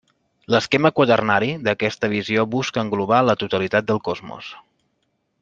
L'esquema quaternari d'aquesta visió busca englobar la totalitat del cosmos.